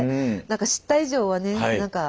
何か知った以上はね何か。